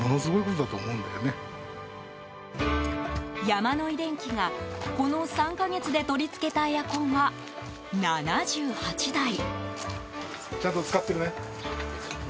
ヤマノイ電器が、この３か月で取り付けたエアコンは７８台。